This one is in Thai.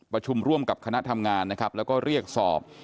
ประชุมร่วมกับคณะทำงานนะครับแล้วก็เรียกสอบ